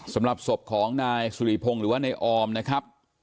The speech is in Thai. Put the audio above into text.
สำหรับศพของนายสุริพงศ์หรือว่านายออมนะครับ